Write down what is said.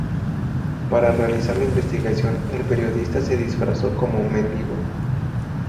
Para realizar la investigación, el periodista se disfrazó como un mendigo.